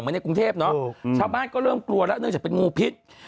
ในกรุงเทพเนาะชาวบ้านก็เริ่มกลัวแล้วเนื่องจากเป็นงูพิษ